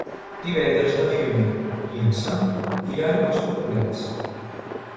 Divendres na Fiona i en Sam iran als Poblets.